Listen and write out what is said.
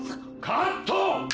カット！